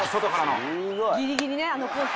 「ギリギリねあのコース」